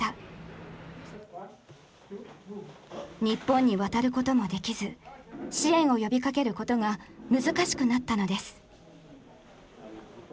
日本に渡ることもできず支援を呼びかけることが難しくなったのです。